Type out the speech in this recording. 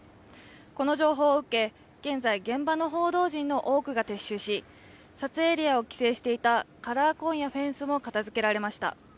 この情報を受け、現在現場の報道陣の多くが撤収し撮影エリアを規制していたカラーコーンやフェンスも片づけられました。